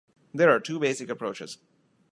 There are two basic approaches.